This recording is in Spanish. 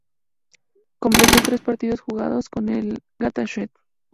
Completó tres partidos jugados con el Gateshead.